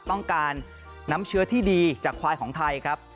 ต้องการน้ำเชื้อที่ดีจากควายของไทยครับ